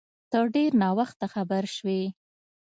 ته ډیر ناوخته خبر سوی